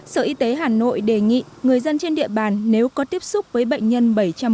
sở y tế hà nội đề nghị người dân trên địa bàn nếu có tiếp xúc với bệnh nhân bảy trăm bốn mươi